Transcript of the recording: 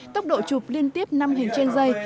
tốc độ chụp liên tiếp năm hình trên dây